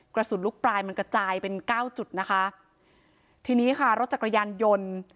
กระสุนลูกปลายมันกระจายเป็นเก้าจุดนะคะทีนี้ค่ะรถจักรยานยนต์